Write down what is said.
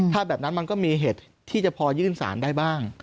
ถ้าแบบนั้นมันก็มีเหตุที่จะพอยื่นสารได้บ้าง